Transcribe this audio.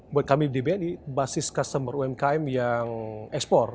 buat kami di bni basis customer umkm yang ekspor